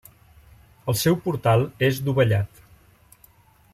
El seu portal és dovellat.